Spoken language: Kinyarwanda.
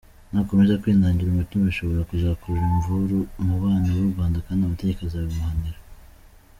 Nakomeza kwinangira umutima bishobora kuzakurura imvuru mu bana b’u Rwanda kandi amategeko azabimuhanira.